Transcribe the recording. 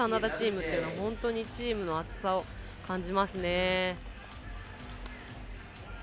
カナダチームっていうのは本当にチームの厚さを感じますね。